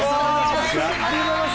ありがとうございます。